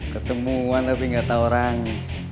ketemuan tapi nggak tahu orang